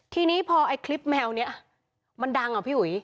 ทีนี้พอไอ้คลิปแมวนี้มันดังอ่ะพี่อุ๋ย